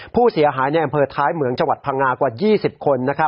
ผู้เสียหายในอำเภอท้ายเหมืองจังหวัดพังงากว่า๒๐คน